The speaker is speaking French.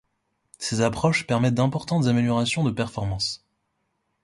Ces approches permettent d’importantes améliorations de performance.